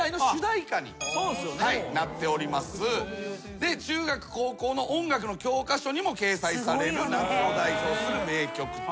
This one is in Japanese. で中学高校の音楽の教科書にも掲載される夏を代表する名曲と。